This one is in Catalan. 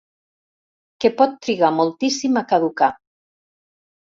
Que pot trigar moltíssim a caducar.